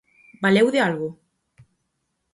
Valeu de algo?